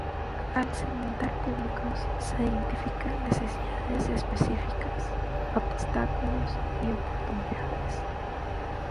Al segmentar públicos se identifican necesidades específicas, obstáculos y oportunidades.